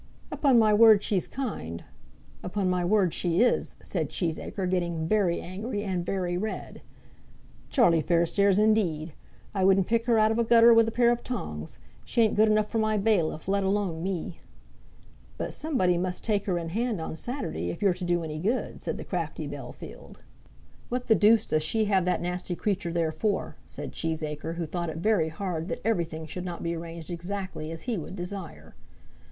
"Upon my word she's kind. Upon my word she is," said Cheesacre, getting very angry and very red. "Charlie Fairstairs, indeed! I wouldn't pick her out of a gutter with a pair of tongs. She ain't good enough for my bailiff, let alone me." "But somebody must take her in hand on Saturday, if you're to do any good," said the crafty Bellfield. "What the deuce does she have that nasty creature there for?" said Cheesacre, who thought it very hard that everything should not be arranged exactly as he would desire.